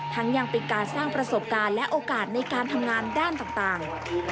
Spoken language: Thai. ยังเป็นการสร้างประสบการณ์และโอกาสในการทำงานด้านต่าง